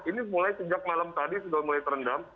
ini mulai sejak malam tadi sudah mulai terendam